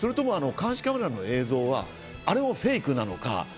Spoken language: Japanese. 監視カメラの映像はあれもフェイクなのか。